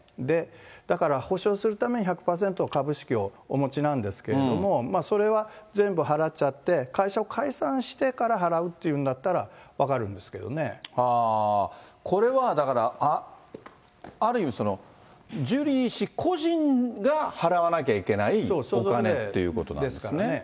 だから補償するために１００％株式をお持ちなんですけれども、それは全部払っちゃって、会社を解散してから払うって言うんだったこれはだからある意味、ジュリー氏個人が払わなきゃいけないお金っていうことなんですね。